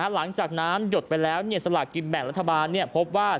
หลังจากน้ำหยดไปแล้วสลากกินแบ่งรัฐบาลพบว่า